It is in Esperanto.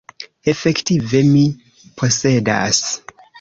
Efektive mi posedas.